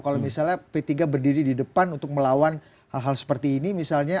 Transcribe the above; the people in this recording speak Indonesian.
kalau misalnya p tiga berdiri di depan untuk melawan hal hal seperti ini misalnya